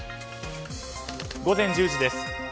午前１０時です。